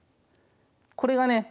これがね